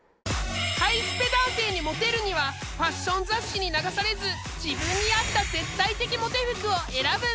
［ハイスペ男性にモテるにはファッション雑誌に流されず自分に合った絶対的モテ服を選ぶんだって］